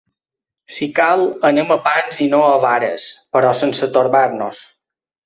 Si cal, anem a pams i no a vares, però sense torbar-nos.